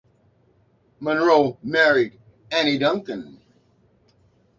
Monroe married Annie Duncan.